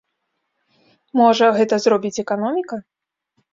Можа, гэта зробіць эканоміка.